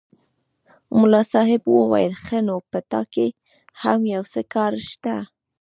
ملا صاحب وویل ښه! نو په تا کې هم یو څه کار شته.